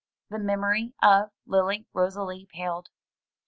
The memory of Lily Rosalie paled.